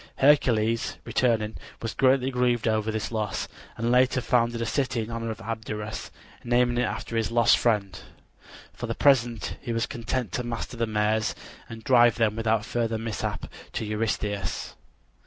Hercules, returning, was greatly grieved over this loss, and later founded a city in honor of Abderus, naming it after his lost friend. For the present he was content to master the mares and drive them without further mishap to Eurystheus.